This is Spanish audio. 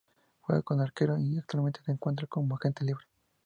Juega como Arquero y en actualmente se encuentra como agente libre.